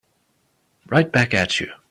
Right back at you.